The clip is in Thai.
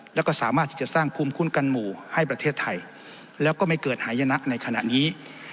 แล้วก็สามารถที่จะสร้างภูมิคุ้มกันหมู่ให้ประเทศไทยแล้วก็ไม่เกิดหายนะในขณะนี้